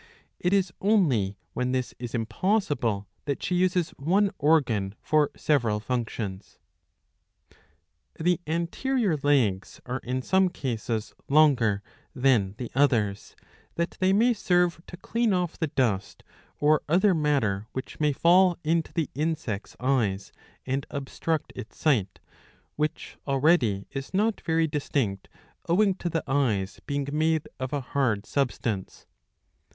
It is only when this is impossible, that she uses one organ for several functions.^^ The anterior legs are in some cases longer'^ than the others, that they may serve to clean off the dust or other matter which may fall into the insect's eyes and obstruct its sight, which already is not very distinct owing to the eyes being made of a hard substance.